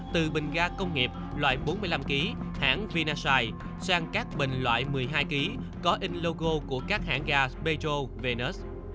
từ bình ga công nghiệp loại bốn mươi năm kg hãng vinaside sang các bình loại một mươi hai kg có in logo của các hãng gas petro venus